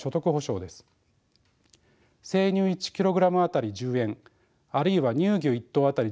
生乳１ｋｇあたり１０円あるいは乳牛１頭あたり